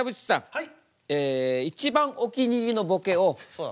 はい。